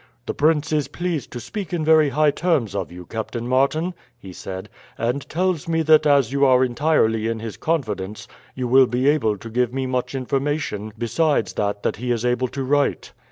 "The prince is pleased to speak in very high terms of you, Captain Martin," he said, "and tells me that as you are entirely in his confidence you will be able to give me much information besides that that he is able to write."